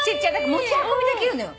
持ち運びできるのよ。